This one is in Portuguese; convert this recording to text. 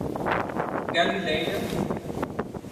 Galileia